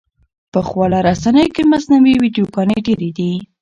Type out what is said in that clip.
په خواله رسنیو کې مصنوعي ویډیوګانې ډېرې دي.